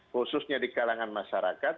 khususnya di kalangan masyarakat